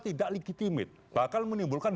tidak legitimit bakal menimbulkan